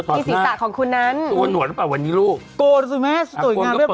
มีสีสักของคุณนั้นตัวหนวดหรือเปล่าวันนี้ลูกโกรธสุดมั้ยสวยงามเรียบร้อย